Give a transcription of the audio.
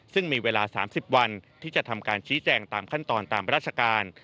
ซึ่งมีเวลา๓๐วันที่จะทำการชี้แจงตามขั้นตอนตามราชการ